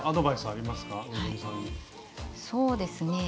そうですね